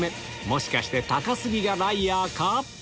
もしかして高杉がライアーか？